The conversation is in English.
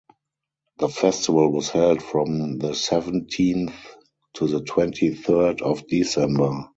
The festival was held from the seventeenth to the twenty-third of December.